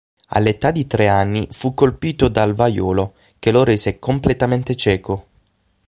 All'età di tre anni fu colpito dal vaiolo, che lo rese completamente cieco.